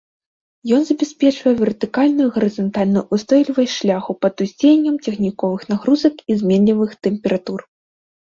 Ён забяспечвае вертыкальную і гарызантальную ўстойлівасць шляху пад уздзеяннем цягніковых нагрузак і зменлівых тэмператур.